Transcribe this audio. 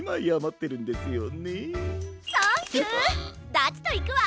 ダチといくわ！